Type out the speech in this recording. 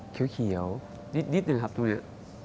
เขียวนิดเลยครับตรงนี้